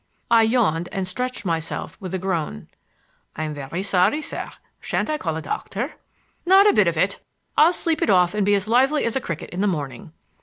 I yawned and stretched myself with a groan. "I'm very sorry, sir. Shan't I call a doctor?" "Not a bit of it. I'll sleep it off and be as lively as a cricket in the morning."